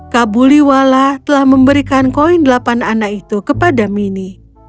kabuliwala telah memberikan koin delapan anak itu kepada mini